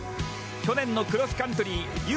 去年のクロスカントリーＵ２０